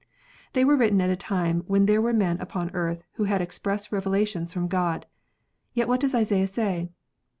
They were written at a time when there were men upon earth who had express revelations from God. Yet what does Isaiah say?